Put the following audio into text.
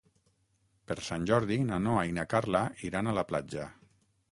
Per Sant Jordi na Noa i na Carla iran a la platja.